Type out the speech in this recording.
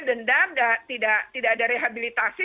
dendam tidak ada rehabilitasi